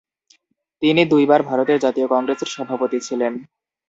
তিনি দুই বার ভারতের জাতীয় কংগ্রেসের সভাপতি ছিলেন।